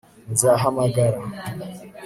Nzahamagara